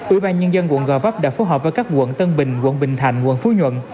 ủy ban nhân dân quận gò vấp đã phối hợp với các quận tân bình quận bình thạnh quận phú nhuận